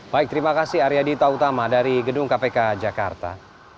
baik terima kasih arya dita utama dari gedung kpk jakarta